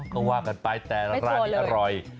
ต้องว่ากันไปแต่ร้านนี้อร่อย